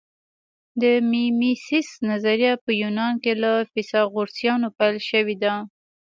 د میمیسیس نظریه په یونان کې له فیثاغورثیانو پیل شوې ده